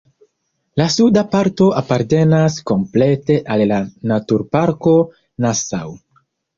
La suda parto apartenas komplete al la naturparko Nassau.